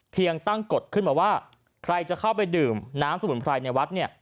ตั้งกฎขึ้นมาว่าใครจะเข้าไปดื่มน้ำสมุนไพรในวัดเนี่ย